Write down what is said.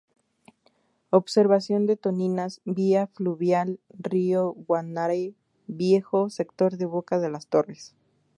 Observación de toninas: Vía fluvial río Guanare Viejo, sector Boca de las Torres.